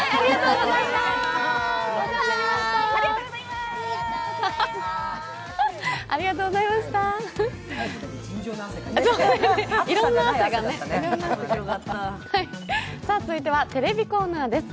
続いてはテレビコーナーです。